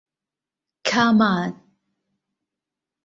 คาร์มาร์ท